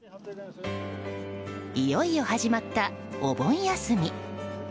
いよいよ始まったお盆休み。